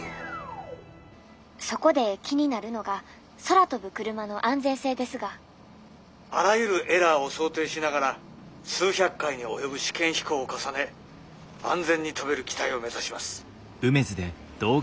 そこで気になるのが空飛ぶクルマの安全性ですが「あらゆるエラーを想定しながら数百回に及ぶ試験飛行を重ね安全に飛べる機体を目指します」。